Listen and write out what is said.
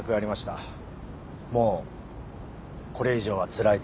もうこれ以上はつらいと。